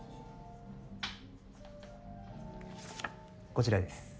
こちらです。